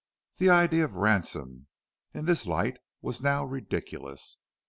The idea of a ransom, in this light, was now ridiculous.